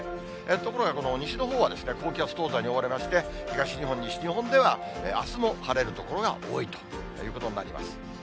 ところがこの西のほうは、高気圧東西に覆われまして、東日本、西日本ではあすも晴れる所が多いということになります。